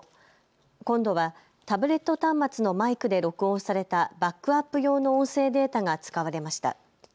今度はタブレット端末のマイクで録音されたバックアップ用の音声データが使われました。